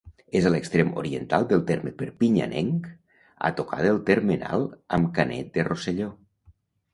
És a l'extrem oriental del terme perpinyanenc, a tocar del termenal amb Canet de Rosselló.